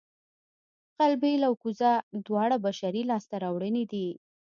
غلبېل او کوزه دواړه بشري لاسته راوړنې دي